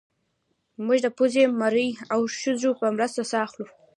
موږ د پوزې مرۍ او سږو په مرسته ساه اخلو